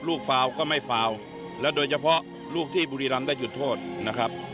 ฟาวก็ไม่ฟาวและโดยเฉพาะลูกที่บุรีรำได้หยุดโทษนะครับ